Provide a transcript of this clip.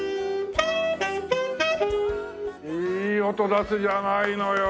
いい音出すじゃないのよ。